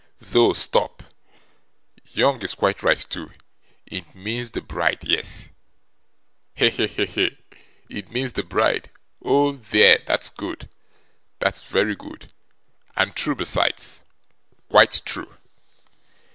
Though stop young is quite right too it means the bride yes. He, he, he! It means the bride. Oh dear, that's good. That's very good. And true besides, quite true!